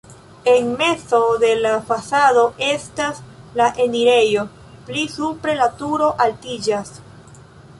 En mezo de la fasado estas la enirejo, pli supre la turo altiĝas.